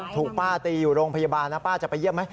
ถูกป้าตีอยู่โรงพยาบาลนะป้าจะไปเยี่ยมไหม